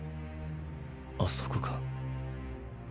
あそこか？